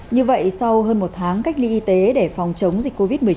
như vậy sau hơn một tháng cách ly y tế để phòng chống dịch covid một mươi chín